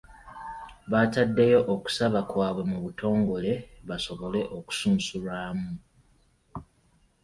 Baataddeyo okusaba kwabwe mu butongole basobole okusunsulwamu.